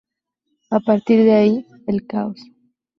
A partir de ahí, el caos.